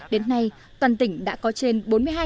đến nay toàn tỉnh đã có trên bốn